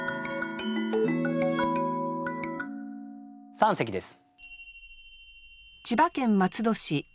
三席です。